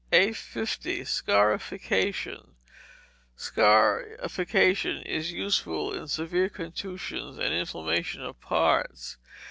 850. Scarification Scarification is useful in severe contusions, and inflammation of parts.